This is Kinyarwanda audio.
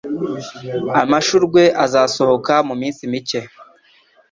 Amashurwe azasohoka muminsi mike.